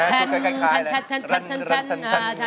จุดคล้ายแบบรั้น